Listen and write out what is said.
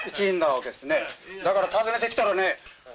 だから訪ねてきたらね。